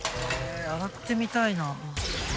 洗ってみたいな。